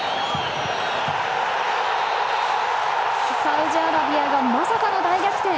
サウジアラビアがまさかの大逆転。